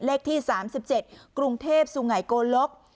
เลขที่๓๗กรุงเทพสุงัยโกลก